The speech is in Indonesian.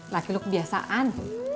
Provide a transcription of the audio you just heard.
laki lu kebiasaan